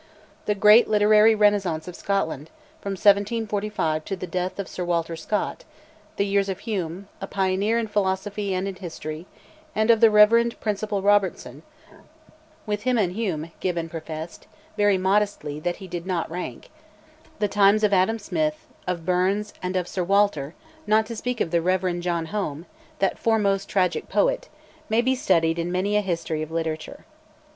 The great literary Renaissance of Scotland, from 1745 to the death of Sir Walter Scott; the years of Hume, a pioneer in philosophy and in history, and of the Rev. Principal Robertson (with him and Hume, Gibbon professed, very modestly, that he did not rank); the times of Adam Smith, of Burns, and of Sir Walter, not to speak of the Rev. John Home, that foremost tragic poet, may be studied in many a history of literature.